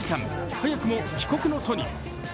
早くも帰国の途に。